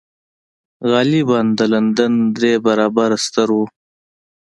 غالباً د لندن درې برابره ستر و